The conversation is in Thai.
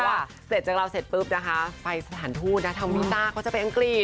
เสร็จจากเราเสร็จปุ๊บนะคะไปสถานทูตนะทำวีซ่าเขาจะไปอังกฤษ